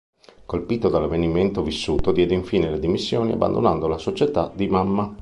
Colpito dall'avvenimento vissuto, diede infine le dimissioni abbandonando la società di Mamma.